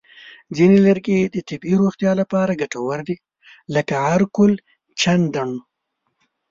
ځینې لرګي د طبیعي روغتیا لپاره ګټور دي، لکه عرقالچندڼ.